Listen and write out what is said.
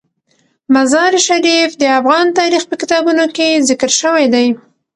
مزارشریف د افغان تاریخ په کتابونو کې ذکر شوی دي.